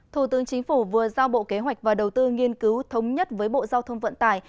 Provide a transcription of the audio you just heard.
thủ tướng chính phủ vừa giao bộ kế hoạch và đầu tư nghiên cứu thống nhất với bộ giao thông vận tải